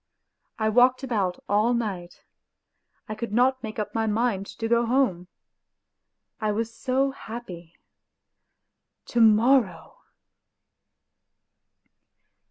I walked about all night ; I could not make up my mind to go home. I was so happy. ... To morrow